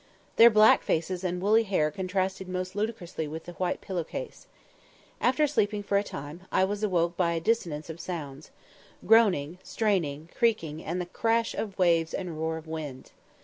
Their black faces and woolly hair contrasted most ludicrously with the white pillow case. After sleeping for a time, I was awoke by a dissonance of sounds groaning, straining, creaking, and the crash of waves and roar of winds.